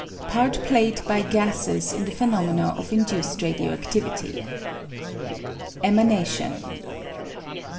Pari played by Gases in the Phenomena of Induced Radio activity. Emanation.